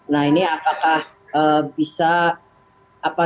nah ini apakah bisa